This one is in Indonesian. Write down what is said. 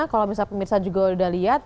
kalau misalnya pemirsa juga udah lihat